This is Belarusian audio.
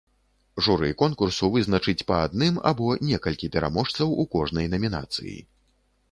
Журы конкурсу вызначыць па адным або некалькі пераможцаў у кожнай намінацыі.